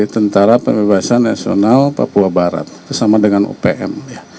tentara pembebasan nasional papua barat bersama dengan upm